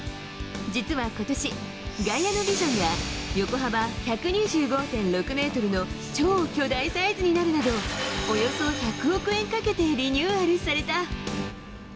実は今年、外野のビジョンが横幅１２５．６ｍの超巨大サイズになるなどおよそ１００億円かけてリニューアルされた。